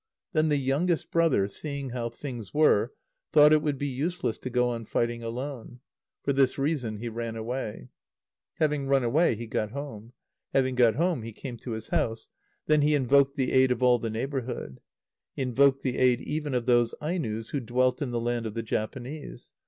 Then the youngest brother, seeing how things were, thought it would be useless to go on fighting alone. For this reason he ran away. Having run away, he got home. Having got home, he came to his house. Then he invoked the aid of all the neighbourhood. He invoked the aid even of those Ainos who dwelt in the land of the Japanese.